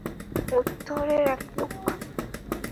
উত্তরের এক লোক।